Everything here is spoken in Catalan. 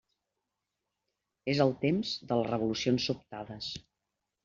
És el temps de les revolucions sobtades.